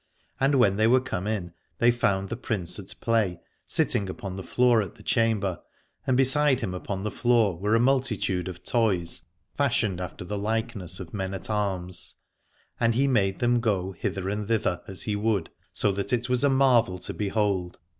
And when they were come in they found the Prince at play, sitting upon the floor of the chamber: and beside him upon the floor were a multitude of toys, fashioned after the likeness of men at arms, and he made them go hither and thither as he would, so that it was a marvel to behold.